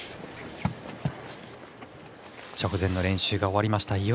直前の練習が終わりました。